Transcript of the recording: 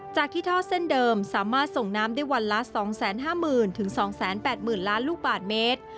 จากที่ท่อเส้นเดิมสามารถส่งน้ำได้วันละ๒๕๐๐๐๒๘๐๐๐ล้านลูกบาทเมตร